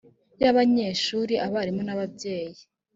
y abanyeshuri abarimu n ababyeyi